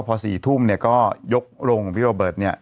พอ๔ทุ่มเกาะโรงของพี่บอเบิร์ตเนี่ย